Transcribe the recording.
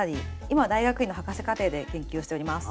今は大学院の博士課程で研究をしております。